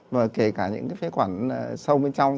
và kể cả những cái phế quản sâu bên trong